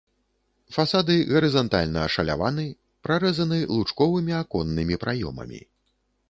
Фасады гарызантальна ашаляваны, прарэзаны лучковымі аконнымі праёмамі.